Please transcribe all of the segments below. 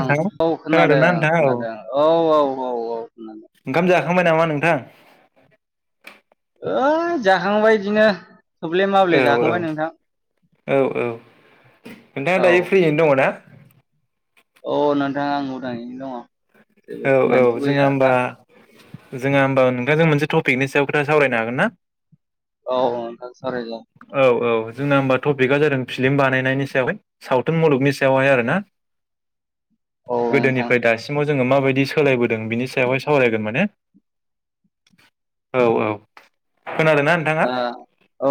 ओं औ खोनादों खोनादोंना नोंथां औ खोनादों औ औ औ औ खोनादों ओंखाम जाखांबाय नामा नोंथां? ओह जाखांबाय इदिनो औ औ औ औ नोंथाङा औ दायो फ्रियैनो दङ ना? औ नोंथां आं उदाङैनो दङ जेबो औ औ खामानिथ' जोङो गैया दा होमबा जोङा होमबा नोंथां जों मोनसे टपिकनि सायाव खोथा सावरायनो हागोन ना? औ नोंथां सावरायजागोन औ औ जोंना होमबा टपिकआ जादों फिल्म बानायनायनि सायावहाय सावथुन मुलुगनि सायावहाय आरो ना? [inaudible] नोंथां गोदोनिफ्राय दासिमाव जोङो माबाय दि सोलायबोदों बिनि सायावहाय सावरायगोन माने औ औ खोनादोंना? नोंथाङा औ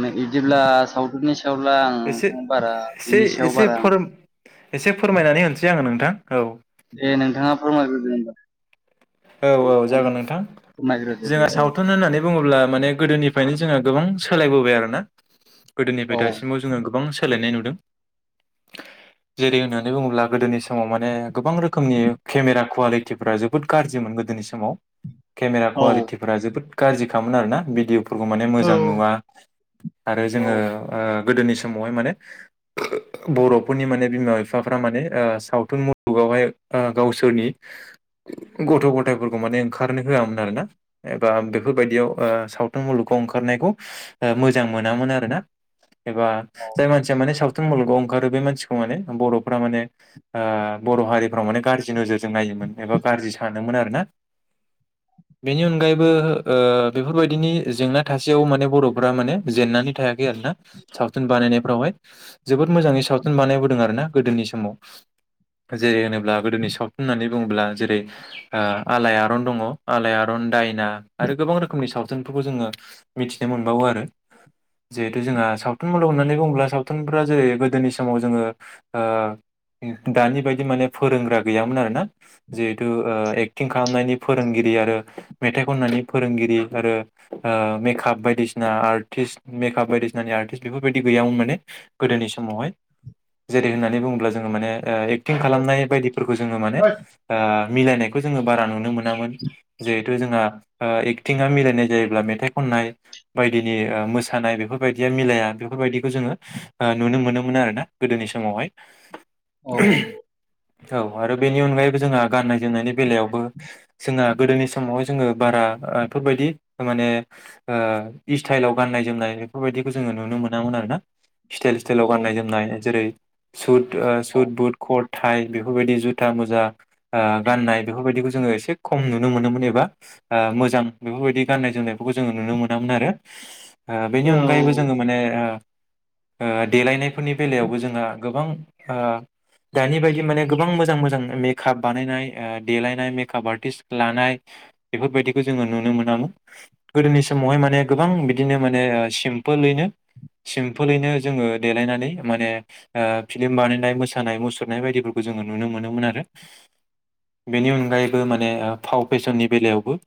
नों इदिब्ला सावथुननि सायाब्ला आं एसे नोंथां बारा एसे बेनि सायाव एसे बारा आं फोर एसे फोरमायनानै होनोसै आङो नोंथां औ दे नोंथाङा फोरमायग्रोदो होनबा औ औ नोंथाङानो जागोन नोंथां फोरमायग्रोदो दे जोंङो औ सावथुन होननानै बुङोब्ला माने गोदोनिफ्रायनो जोंहा गोबां सोलायबोबाय आरो ना गोदोनिफ्राय औ दासिमाव जोङो गोबां सोलायनाय नुदों जेरै होननानै बुङोब्ला गोदोनि समाव माने गोबां रोखोमनि केमेरा कुवालिटिफोरा जोबोद गाज्रिमोन गोदोनि समाव केमेरा औ कुवालिटि फोरा जबोद गाज्रि खामोन आरोना भिडिअफोरखौ माने औ मोजां नुवा आरो औ जोङो ओ गोदोनि समावहाय माने बर'फोरनि माने बिमा बिफाफ्रा माने सावथुन मुलुग गावहाय गावसोरनि गथ' गथायफोरखौ माने ओंखारनो होआमोन आरो ना एबा बेफोरबायदियाव ओ सावथुन मुलुगाव ओंखारनायखौ ओ मोजां मोनामोन आरो ना एबा जाय औ मानसिया माने साव थुन मुलुगाव ओंखारो बे मानसिखौ माने बर'फ्रा माने आ बर' हारिफ्रा माने गाज्रि नोजोर जों नायोमोन एबा गाज्रि सानोमोन आरोना बेनि अनगायैबो ओ बेफोरबायदिनि जेंना थासेयावबो माने बर'फोरा माने जेननानै थायाखै आरोना सावथुन बानायनायफ्रावहाय जोबोद मोजाङै सावथुन बानायबोदों आरो ना गोदोनि समाव जेरै होनोब्ला गोदोनि साउथुन होननानै बुङोब्ला जेरै आलाआरन दङ आलाआरन दायना आरो गोबां रोखोमनि साव थुन फोरखौ जोङो मिथिनो मोनबावो आरो जिहेथु जोंहा सावथुन मुलुग होननानै बुङोब्ला सावथुनफ्रा जेरै गोदोनि समाव जोङो ओ दानि बायदि माने फोरोंग्रा गैयामोन आरोना जे थु ओ एक्टिं खालामनायनि फोरोंगिरि आरो मेथाइ खननायनि फोरोंगिरि आरो ओ मेकाप बायदिसिना आर्टिस्ट मेकाप बायदिसिनानि आर्टिस्ट बेफोरबायदि गैयामोन माने गोदोनि समावहाय जेरै होननानै बुङोब्ला जोङो माने ओ एक्टिं खालामनाय बायदि फोरखौ जोङो माने मिलायनायखौ जोङो बारा नुनो मोनामोन जिहेथु जोंहा एकटिं मिलायनाय जायोब्ला मेथाइ खननाय बायदिनि मोसानाय बेफोरबायदिया मिलाया बेफोरबायदिखौ जोङो नुनो मोनोमोन आरो ना गोदोनि समावहाय औ औ आरो बेनि अनगायैबो जोंहा गाननाय जोमनायनि बेलायावबो जोंहा गोदोनि समाव जोङो बारा बेफोरबायदि माने स्टाइलाव गाननाय जोमनाय बेफोरबायदिखौ जोङो नुनो मोनामोन आरोना स्टाइल स्टाइलाव गाननाय जोमनाय जेरै सुत सुत बुत बुत कथ थाइ बेफोरबायदि जुथा मुजा गाननाय बेफोरबायदिखौ जोङो एसे खम नुनो मोनोमोन एबा ओ मोजां बेफोरबायदि गाननाय जोमनायफोरखौ जोङो नुनो मोनामोन आरो बेनि औ अनगायैबो जोङो माने ओ देलायनायफोरनि बेलायावबो जोंहा गोबां ओ दानि बायदि माने गोबां मोजां मोजां मेकआप बानायनाय देलायनाय मेकआप आर्टिस्ट लानाय बेफोरबायदिखौ जोङो नुनो मोनामोन गोदोनि समावहाय माने गोबां बिदिनो माने सिमपोलैनो सिम्पोलैनो जोङो देलायनानै माने फिलिम बानायनाय मोसानाय मुसुरनाय बायदिफोरखौ जोङो नुनो मोनोमोन आरो बेनि अनगायैबो माने फाव फेसननि बेलायावबो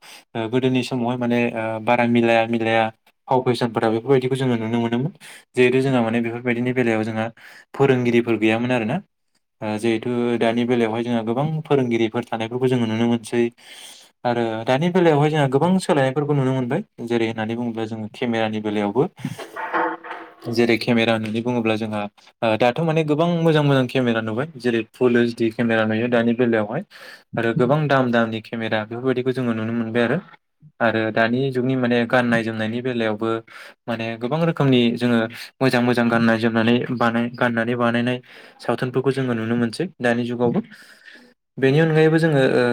गोदोनि समावहाय माने ओ बारा मिलाया मिलाया फाव फेसनफोरा बेफोरबायदिखौ जोङो नुनो मोनोमोन जिहेथु जोंहा माने बेफोरबायदिनि बेलायाव जोंहा फोरोंगिरिफोर गैयामोन आरोना ओ जिहेथु दानि बेलायावहाय जोंहा गोबां फोरोंगिरिफोर थानायफोरखौ जोङो नुनो मोनसै आरो दानि बेलायावहाय जोंहा गोबां सोलायनायफोरखौ नुनो मोनबाय जेरै होननानै बुङोब्ला जोङो केमेरानि बेलायावबो [inaudible] जेरै केमेरा होननानै बुङोब्ला जोंहा दाथ' माने गोबां मोजां मोजां केमेरा नुबाय जेरै फुलओसडि केमेरा नुयो दानि बेलायावहाय आरो गोबां दाम दामनि केमेरा बेफोरबायदिखौ जोङो नुनो मोनबाय आरो आरो दानि जुगनि माने गाननाय जोमनायनि बेलायावबो माने गोबां रोखोमनि जोङो मोजां मोजां गाननाय जोमनानै बानाय गाननानै बानायनाय सावथुनफोरखौ जोङो नुनो मोनसै दानि जुगावबो बेनि अनगायैबो जोङो ओ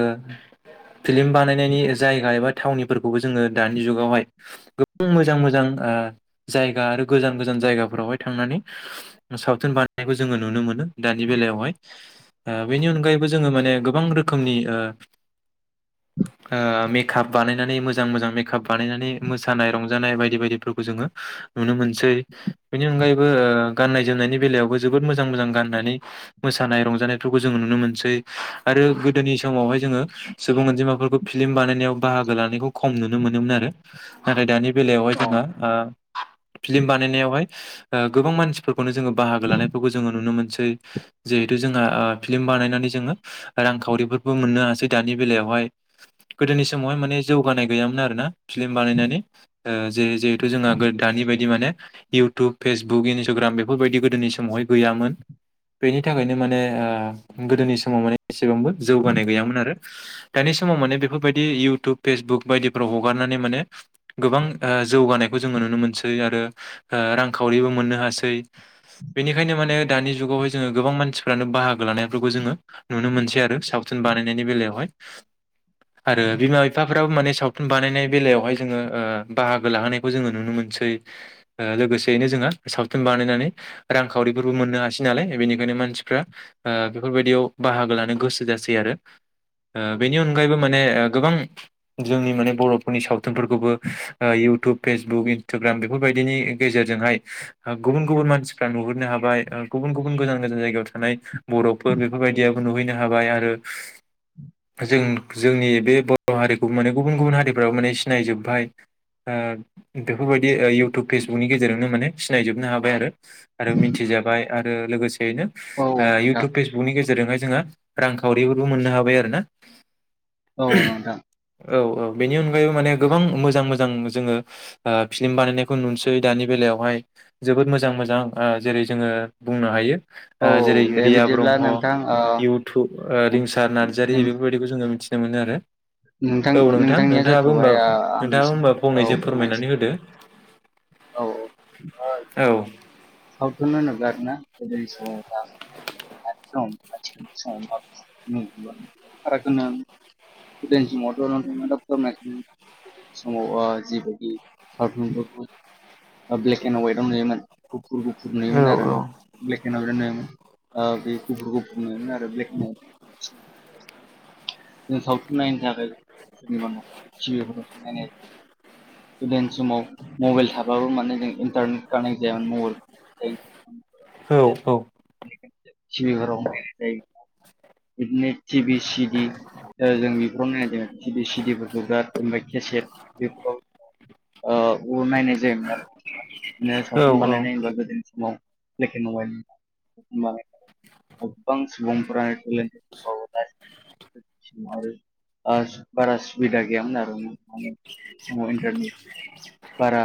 फिल्म बानायनायनि जायगा एबा थावनिफोरखौबो जोङो दानि जुगावहाय गोबां मोजां मोजां ओ जायगा आरो गोजान गोजान जायगाफोरावहाय थांनानै सावथुन बानायनायखौ जोङो नुनो मोनो दानि बेलायावहाय ओ बेनि अनगायै जोङो माने गोबां रोखोमनि ओ [inaudible] ओ मेकआप बानायनानै मोजां मोजां मेकआप बानायनानै मोसानाय रंजानाय बायदि बायदिफोरखौ जोङो नुनो मोनसै बेनि अनगायैबो ओ गाननाय जोमनायनि बेलायावबो जोबोद मोजां मोजां गाननानै मोसानाय रंजानायफोरखौ जोङो नुनो मोनसै आरो गोदोनि समावहाय जोङो सुबुं अनजिमाफोरखौ फिल्म बानायनायाव बाहागो लानायखौ खम नुनो मोनोमोन आरो नाथाय दानि बेलायावहाय औ जोङो ओ फिल्म बानायनायावहाय गोबां मानसिफोरखौनो जोङो बाहागो लानायफोरखौ जोङो नुनो मोनसै जिहेथु जोंहा फिलिम बानायनानै जोङो रांखावरिफोरबो मोननो हासै दानि बेलायावहाय गोदोनि समावहाय माने जौगानाय गैयामोन आरोना फिल्म बानायनानै ओ जे जिहेथु जोंहा दानि बायदि माने इउटुब फेसबुक इनसटाग्राम बेफोरबायदि गोदोनि समावहाय गैयामोन बेनि थाखायनो माने ओ गोदोनि समाव माने एसेबांबो जौगानाय गैयामोन आरो दानि समाव माने बेफोरबायदि इउटुब फेसबुक बायदिफ्राव हगारनानै माने गोबां ओ जौगानायखौ जोङो नुनो मोनसै आरो ओ रांखावरिबो मोननो हासै। बेनिखायनो माने दानि जुगावहाय जोङो गोबां मानसिफ्रानो बाहागो लानायफोरखौ जोङो नुनो मोनसै आरो सावथुन बानायनायनि बेलायावहाय। [inaudible] आरो बिमा बिफाफ्राबो माने सावथुन बानायनाय बेलायावहाय जोङो ओ बाहागो लाहोनायखौ जोङो नुनो मोनसै। ओ लोगोसेयैनो जोंहा सावथुन बानायनानै रांखावरिफोरबो मोननो हासै नालाय बेनिखायनो मानसिफ्रा ओ बेफोरबायदियाव बाहागो लानो गोसो जासै आरो ओ बेनि अनगायैबो माने ओ गोबां जोंनि माने बर'फोरनि सावथुनफोरखौबो ओ इउटुब फेसबुक इन्सटाग्राम बेफोरबायदिनि गेजेरजोंहाय गुबुन गुबुन मानसि नुहुरनो हाबाय ओ गुबुन गुबुन गोजान गोजान जायगायाव थानाय बर'फोर बेफोरबायदियाबो नुहैनो हाबाय आरो जों जोंनि बे बर' हारिखौ माने गुबुन गुबुन हारिफ्राबो माने सिनायजोबबाय। ओ बेफोरबायदि ओ इयउटुब फेसबुकनि गेजेरजोंनो माने सिनायजोबनो हाबाय आरो। आरो मिथिजाबाय आरो लोगोसेयैनो औ ओ नोंथां इउटुब फेज बुकनि गेजेरजोंहाय जोङो रांखावरिफोरबो मोननो हाबाय आरोना। औ नोंथां औ औ बेनि अनगायैबो माने गोबां मोजां मोजां जोङो ओ फिल्म बानायनायखौ नुनोसै दानि बेलायावहाय जोबोद मोजां मोजां ओ जेरै जोङो बुंनो हायो औ ओ जेरै दे रिया बिदिब्ला ब्रह्म नोंथां ओ इउटुब ओ रिंसार नार्जारि नों बेफोरबायदि बेखौ जोङो मिथिनो मोनो आरो। औ नोंथां नोंथांनिया नोंथाङाबो होमबा जाथ'बाय ओ आंनि नोंथाङाबो होनबा औ फंनैसो फोरमायनोसै फोरमायनानै औ होदो। औ ओ औ। सावथुन नायनांगौ आरोना गोदोनि समावबा। [unintelligible] गोदोनि समावथ' नों [unintelligible] गोदोनि समाव ओ जिबायदि साल्गोबदोंमोन। ब्लेक एन्ड हवाइटआव नुयोमोन गुफुर गुफुर औ नुयोमोन आरोना। ब्लेक एन्द हवाइतआनो नुयोमोन ओ बे गुफुर गुफुर नुयोमोन आरो ब्लेक एन्द हवाइद। जों सावथुन नायनो थाखाय सोरनिबा टि भि फोराव नायनाय जायो। गोदोनि समाव मबाइल था थुबाबो माने जों इन्टारनेट कानेक्ट जायामोन मबाइल औ औ। [inaudible] टि भि फोराव नायनाय जायो बिदिनो टि भि सि डि जों बेफोराव नायदोमोन थि भि सि डि फोरखौ जगार ओमफ्राय केसेट बेफोराव ओ नायनाय जायोमोन आरो बिदिनो औ सावथुन औ बानायनाय होनोबा गोदोनि समाव ब्लेक एण्ड हवाइतमोन [unintelligible] गोबां सुबुंफोरा तेलेनटेथ दंबावो आरो बारा सुबिदा गैयामोन आरो। समाव इन्टारनेट बारा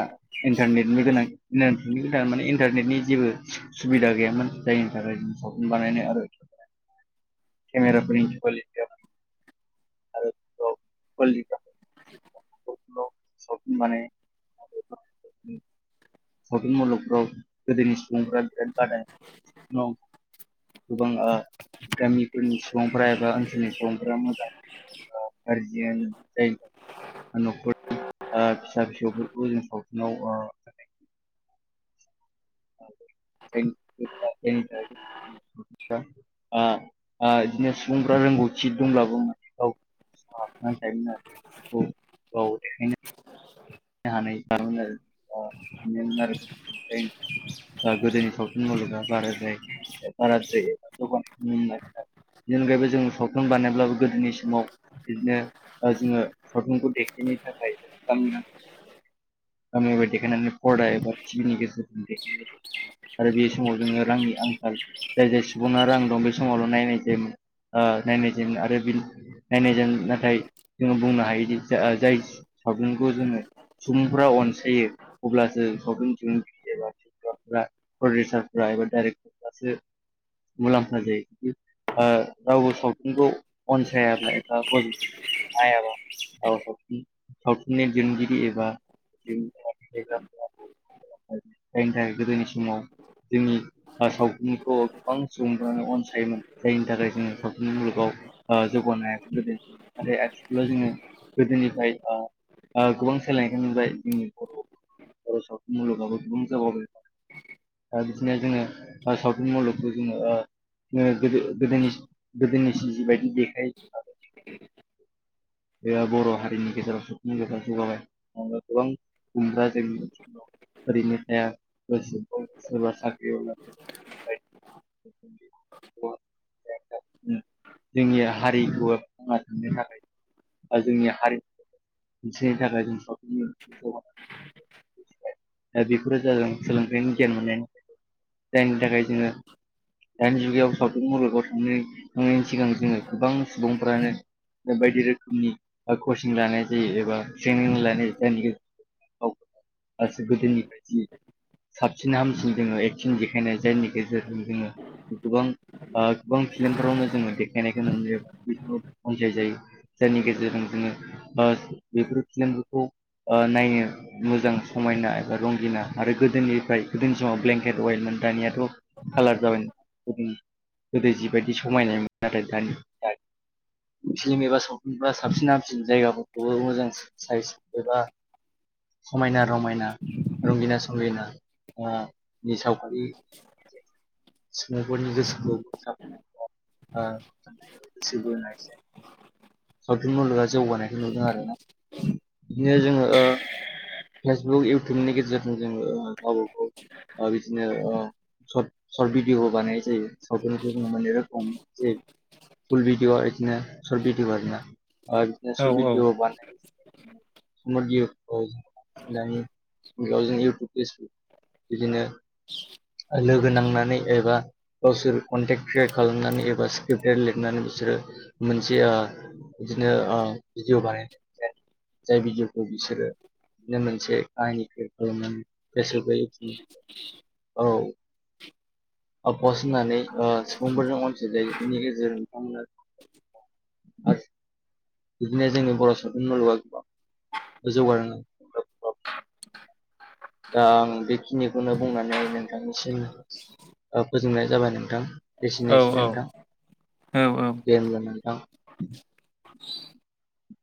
इन्टारनेटनि गोनां माने इन्टारनेटनि जेबो सुबिदा गैयामोन जायनि थाखाय जों सावथुन बानायनो आरो केमेराफोरनि कुवालिटिया आरो कवालिथि [unintelligible] सावथुन मुलुगफ्राव गोदोनि सुबुंफ्रा बिराद बादा होयोमोन उनाव गोबां ओ गामिफोरनि सुबुंफोरा एबा ओनसोलनि सुबुंफोरा मोजां [unintelligible] न'खरनि ओ फिसा फिसौफोरखौ जों सावथुनाव ओ [unintelligible] फ्रा आ आ बिदिनो सुबुंफ्रा रोंगौथि दंब्लाबो माने औ। [unintelligible] औ औ देखायनो [unintelligible] ओ गोदोनि सावथुन मुलुगा बाराद्राय बाराद्राय एबा जौगानायखौ नुनो मोनाखै आरो। बिनि अगायैबो जो सावथुन बानायब्लाबो गोदोनि समाव बिदिनो ओ जोङो सावथुनखौ देखायनो थाखाय गामिया गामिबादि देखायनानै पर्दा एबा टि भि नि गेजेरजों देखायो। आरो बे समाव जोङो रांनि आंखाल। जाय जाय सुबुङा रां दं बे समावल' नायनाय जायोमोन। ओ नायनाय जायोमोन आरो बिनि नायनायजों नाथाय जोङो बुंनो हायोदि जा ओ जाय सावथुनखौ जोङो सुबुंफ्रा अनसायो अब्लासो सावथुन दिहुनगिरि एबा [unintelligible] [unintelligible] प्रडउसारफ्रा एबा डाइरेक्टर फ्रासो मुलाम्फा जायो। ओ रावबो सावथुनखौ अनसायाब्ला एबा ब नायाब्ला [unintelligible] सावथुननि दिहुनगि रि एबा [unintelligible] जायनि थाखाय गोदोनि समाव जोंनि [unintelligible] गोबां सुबुंफ्रानो अनसायोमोन। जायनि थाखाय जोङो सावथुन मुलुगाव ओ जौगानो हाया गोदोनि नाथाय आथिखालाव जोङो गोदोनिफ्राय ओ ओ गोबां सोलायनायखौ नुबाय जोंनि बर' बर' सावथुन मुलुगावबो गोबां जौगाबोबाय। दा बिदिनो जोङो सावथुन मुलुगखौ जोङो ओ नो गोदो-गोदो-गोदोनिसि जिबायदि देखायो। बेयो बर' हारिनि गेजेराव [unintelligible] जौगाबाय। [unintelligible] ओरैनो थाया [unintelligible] सोरबा साख्रि [unintelligible] [unintelligible] जोंनिया हारिखौ थांना थांनो थाखाय जोंनि हारि [inaudible] दिन्थिनो थाखाय जों साव दा बेफोरो जादों सोलोंथाइनि गियान मोननायनि जायनि थाखाय जोङो दानि जुगायाव सावथुन मुलुगाव थांनो थांनायनि सिगां जोङो गोबां सुबुंफ्रानो ओ बायदि रोखोमनि ओ कचिं लानाय जायो एबा ट्रेनिं लानाय जायो। [unintelligible] गोदोनि बादि साबसिन हामसिन जोङो एक्टिं देखायनाय जायनि गेजेरजों जोङो गोबां ओ गोबां फिल्मफोरावनो जोङो देखायनायखौ नुनो [unintelligible] अनसाय जायो। जायनि गेजेरजों जोङो ओ बेफोर फिल्मफोरखौ ओ नायनो मोजां समायना एबा रंगिना आरो गोदोनिफ्राय गोदोनि समाव ब्लेंकेट अइेलमोन दानिया थ' खालार जाबाय। [unintelligible] गोदोनि जिबायदि समायनायमोन नाथाय दानि दानि फिल्म एबा सावथुनफ्रा साबसिन हामसिन जायगाफोरखौबो मोजां साइज एबा समायना रमायना, रंगिना संगिना ङा नि सावगारि सुबुंफोरनि गोसोखौ बोगथाबना ओ [unintelligible] सावथुन मुलुगा जौगानायखौ नुदों आरो ना। इदिनो जोङो ओ फेसबुक इउटुबनि गेजेरजों जोङो गावबागाव ओ बिदिनो ओ सर्ट सर्ट भिदिअ बानायनाय जायो सावथुनखौ जोङो माने रखम जे पुल भिडिअ इदिनो सर्ट भिडिअ आरो ना। ओ इदिनो सर्ट भिडिअ बाना [unintelligible] बेयाव जों इउतुब फेसबक बिदिनो लोगो नांनानै एबा गावसोर कनटेक्ट क्रियेट खालामनानै एबा स्क्रिप्टेड लिरनानै बिसोरो मोनसे ओ इदिनो ओ भिदिअ बानायनो जाय भिडिय'खौ बिसोरो बिदिनो मोनसे काहिनिखौ खालामनानै गोसो होयोखिनि औ पस होननानै सुबुंफोरजों अनसायजा बेनि गेजेरजों नोंथांमोना आरो बिदिनो जोङो बर' सावथुन मुलुगाव [unintelligible] दा आं बेखिनिखौनो बुंनानै नोंथांनिसिम फोजोबनाय जाबाय नोंथां औ एसेनोसै औ नोंथां औ दे ओमब्ला नोंथां